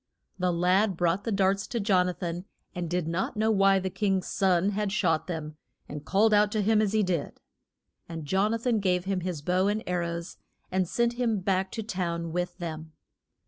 The lad brought the darts to Jon a than, and did not know why the king's son had shot them and called out to him as he did. And Jon a than gave him his bow and ar rows, and sent him back to town with them.